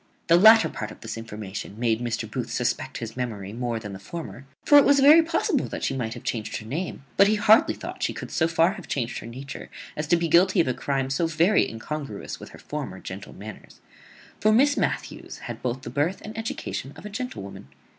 The latter part of this information made Mr. Booth suspect his memory more than the former; for it was very possible that she might have changed her name; but he hardly thought she could so far have changed her nature as to be guilty of a crime so very incongruous with her former gentle manners: for Miss Matthews had both the birth and education of a gentlewoman.